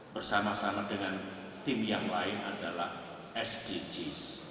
bersama sama dengan tim yang lain adalah sdgs